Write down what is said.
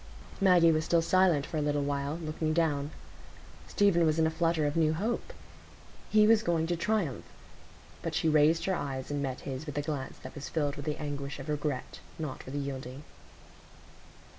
Maggie was still silent for a little while, looking down. Stephen was in a flutter of new hope; he was going to triumph. But she raised her eyes and met his with a glance that was filled with the anguish of regret, not with yielding.